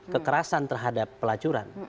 kekerasan terhadap pelacuran